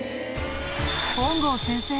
本郷先生